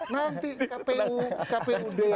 nanti kpu kpud